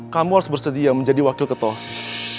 kamu harus bersedia menjadi wakil ketua osis